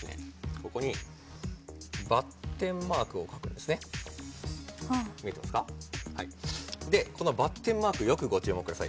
ここにバッテンマークを描くんですねああ見えてますかはいこのバッテンマークよくご注目ください